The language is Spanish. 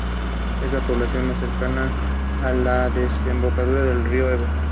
Es la población más cercana a la desembocadura del río Ebro.